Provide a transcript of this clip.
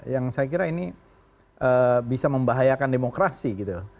yang saya kira ini bisa membahayakan demokrasi gitu